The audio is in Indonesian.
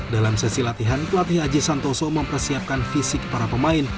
dalam sesi latihan pelatih aji santoso mempersiapkan fisik para pemain